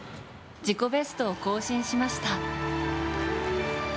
自己ベストを更新しました。